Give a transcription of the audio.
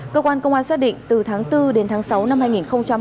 cơ quan công an xác định từ tháng bốn đến tháng sáu năm hai nghìn hai mươi